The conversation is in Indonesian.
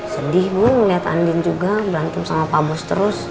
sedih mungkin melihat andin juga berantem sama pak bos terus